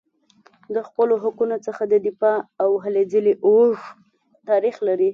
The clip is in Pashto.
له خپلو حقونو څخه دفاع او هلې ځلې اوږد تاریخ لري.